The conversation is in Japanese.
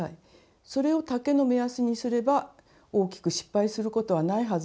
それを丈の目安にすれば大きく失敗することはないはずです。